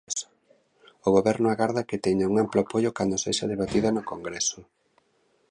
O Goberno agarda que teña un amplo apoio cando sexa debatida no Congreso.